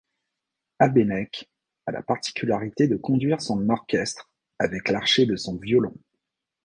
Habeneck a la particularité de conduire l'orchestre avec l'archet de son violon.